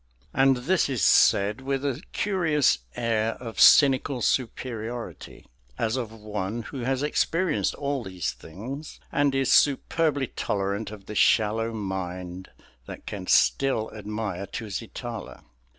And this is said with a curious air of cynical superiority, as of one who has experienced all these things and is superbly tolerant of the shallow mind that can still admire Tusitala.